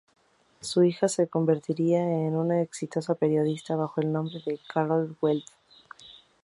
Su hija se convertiría en una exitosa periodista bajo el nombre de Carol Weld.